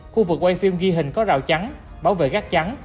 khu vực quay phim ghi hình có rào chắn bảo vệ gác trắng